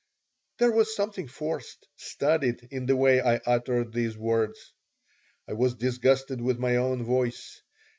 There was something forced, studied, in the way I uttered these words. I was disgusted with my own voice.